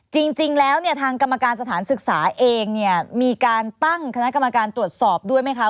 จริงแล้วเนี่ยทางกรรมการสถานศึกษาเองเนี่ยมีการตั้งคณะกรรมการตรวจสอบด้วยไหมคะ